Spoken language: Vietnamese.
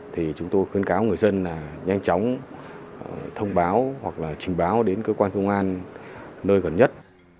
thì chúng tôi khuyến cáo người dân là nhanh chóng thông báo hoặc là trình báo đến cơ quan công an nơi gần nhất